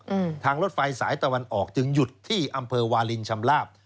อืมทางรถไฟสายตะวันออกจึงหยุดที่อำเภอวาลินชำลาบ